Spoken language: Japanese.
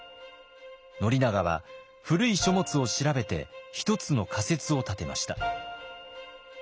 宣長は古い書物を調べて１つの仮説を立てました。